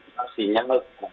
cortesan jur tribal elkaar